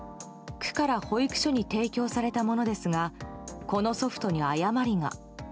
区から保育所に提供されたものですがこのソフトに誤りが。